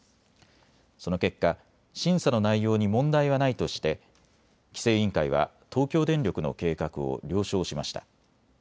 その結果、審査の内容に問題はないとして規制委員会は東京電力の計画を了承しました。